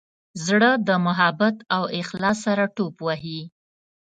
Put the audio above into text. زړه د محبت او اخلاص سره ټوپ وهي.